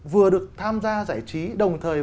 vừa được tham gia giải trí